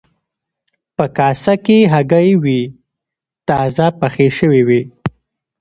په کاسه کې هګۍ وې تازه پخې شوې وې.